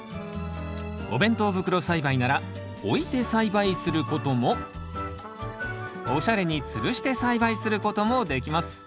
お弁当袋栽培なら置いて栽培することもおしゃれにつるして栽培することもできます。